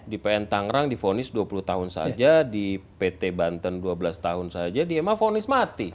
di pangerang di vonis dua puluh tahun saja di pt banten dua belas tahun saja di ema vonis mati